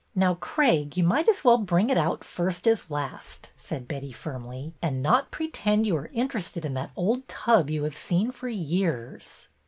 '' Now, Craig, you might as well bring it out first as last," said Betty, firmly, '' and not pre tend you are interested in that old tub you have seen for years."